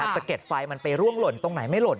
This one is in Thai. สะเก็ดไฟมันไปร่วงหล่นตรงไหนไม่หล่น